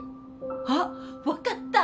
あっ分かった？